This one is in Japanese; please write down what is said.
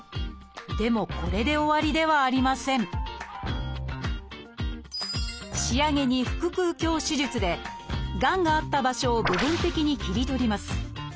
でもこれで終わりではありません仕上げに腹腔鏡手術でがんがあった場所を部分的に切り取ります。